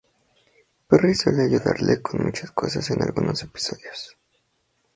Perry suele ayudarle con muchas cosas en algunos episodios.